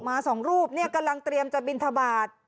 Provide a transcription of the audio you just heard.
มา๒รูปกำลังเตรียมจะบิณฑบาต